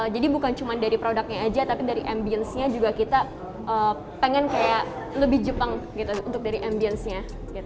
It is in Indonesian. jadi bukan cuma dari produknya aja tapi dari ambience nya juga kita pengen kayak lebih jepang gitu untuk dari ambience nya